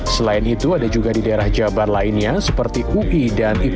selain itu ada juga di daerah jabar lainnya seperti ui dan it